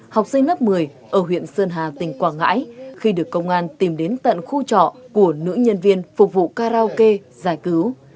học sinh lớp một mươi ở huyện sơn hà tỉnh quảng ngãi khi được công an tìm đến tận khu trọ của nữ nhân viên phục vụ karaoke giải cứu